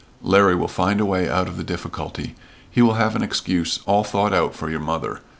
"Larry will find a way out of the difficulty. He will have an excuse all thought out for your mother.